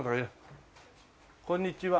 こんにちは。